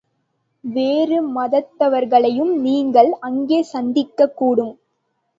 வேறு மதத்தவர்களையும் நீங்கள் அங்கே சந்திக்கக் கூடும்.